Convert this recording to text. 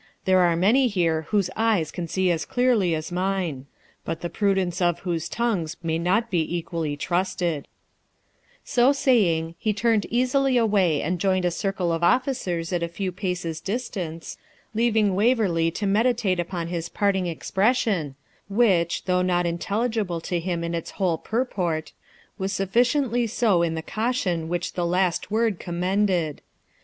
There are many here whose eyes can see as clearly as mine, but the prudence of whose tongues may not be equally trusted,' So saying, he turned easily away and joined a circle of officers at a few paces' distance, leaving Waverley to meditate upon his parting expression, which, though not intelligible to him in its whole purport, was sufficiently so in the caution which the last word recommended.